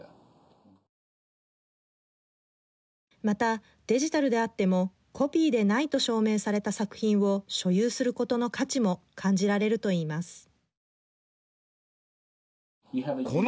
また、デジタルであってもコピーでないと証明された作品を所有することの価値も感じられるといいます。